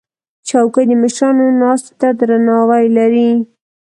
چوکۍ د مشرانو ناستې ته درناوی لري.